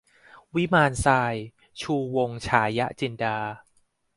วิมานทราย - ชูวงศ์ ฉายะจินดา